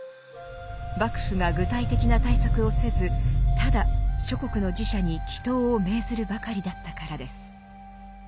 幕府が具体的な対策をせずただ諸国の寺社に祈祷を命ずるばかりだったからです。